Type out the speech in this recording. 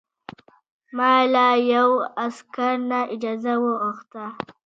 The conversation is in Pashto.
ما له یوه عسکر نه اجازه وغوښته.